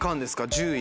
１０位！